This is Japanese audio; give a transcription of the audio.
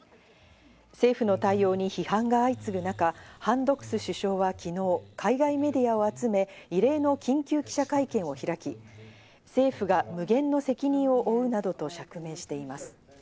政府の対応に批判が相次ぐ中、ハン・ドクス首相は昨日、海外メディアを集め異例の緊急記者会見を開き、政府が無限の責任を負うなどと釈明しています。